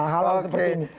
hal hal seperti ini